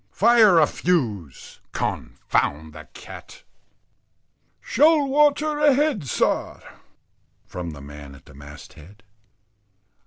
Fire a fuse _con_found the cat." "Shoal water ahead, sir," from the man at the mast head.